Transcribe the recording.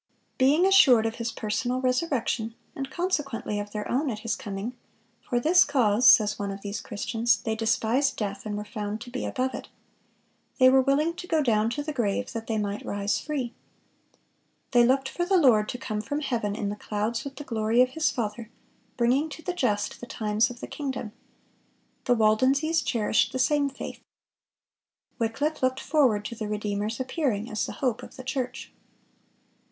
Being "assured of His personal resurrection, and consequently of their own at His coming, for this cause," says one of these Christians, "they despised death, and were found to be above it."(467) They were willing to go down to the grave, that they might "rise free."(468) They looked for the "Lord to come from heaven in the clouds with the glory of His Father," "bringing to the just the times of the kingdom." The Waldenses cherished the same faith.(469) Wycliffe looked forward to the Redeemer's appearing as the hope of the church.